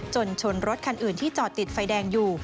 ชนรถคันอื่นที่จอดติดไฟแดงอยู่